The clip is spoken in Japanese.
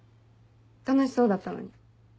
楽しそうだったのに。